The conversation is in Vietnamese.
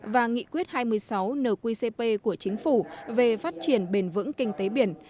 và nghị quyết hai mươi sáu nqcp của chính phủ về phát triển bền vững kinh tế biển